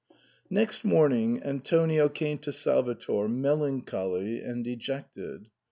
Next morning Antonio came to Salvator, melancholy and dejected.